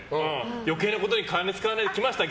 余計なことに金を使わずに来ましたよ